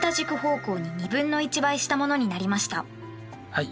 はい。